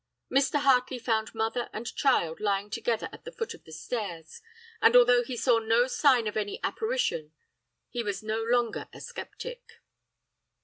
Mr. Hartley found mother and child lying together at the foot of the stairs, and although he saw no sign of any apparition, he is no longer a sceptic.